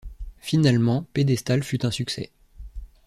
Finalement, Pedestal fut un succès.